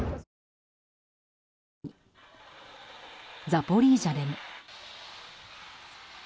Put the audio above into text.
ザポリージャでも。